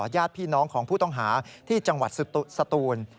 ญาติพี่น้องของผู้ต้องหาที่จังหวัดสตูน